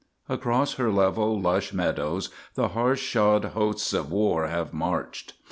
_ _Across her level, lush meadows the harsh shod hosts of war have marched.